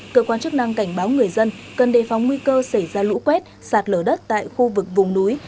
cơ quan chức năng cảnh báo người dân cần đề phòng nguy cơ xảy ra lũ quét sạt lở đất tại khu vực vùng núi